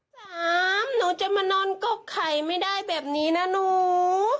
สามหนูจะมานอนกกไข่ไม่ได้แบบนี้นะหนู